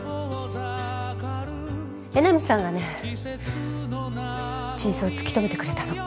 江波さんがね真相突き止めてくれたの。